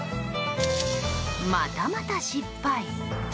またまた、失敗。